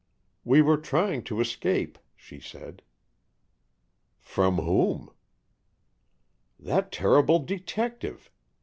"We were trying to escape," she said. "From whom?" "That terrible detective.